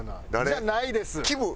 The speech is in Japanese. じゃないです。